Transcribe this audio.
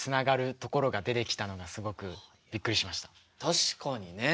確かにね。